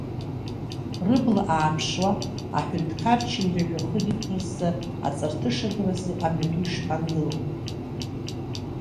Рыбла ааԥшуа, аҳәынҭқар чын рыжәҩахыр иқәырзза, аҵарҭыша гаразы, амҩаду ишԥангылоу?!